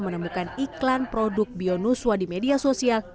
menemukan iklan produk bionuswa di media sosial